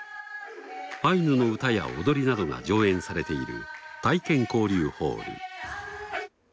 アイヌの歌や踊りなどが上演されている体験交流ホール。